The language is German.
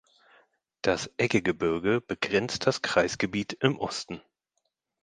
Das Eggegebirge begrenzt das Kreisgebiet im Osten.